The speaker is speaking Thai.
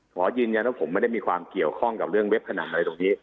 ขอยืนยันว่าผมไม่ได้มีความเกี่ยวข้องกับเรื่องเว็บพนันอะไรตรงนี้